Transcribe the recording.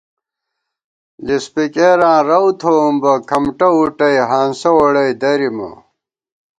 لِسپِکېراں رَؤ تھوم بہ کھمٹہ وُٹَئ ہانسہ ووڑَئی دَرِمہ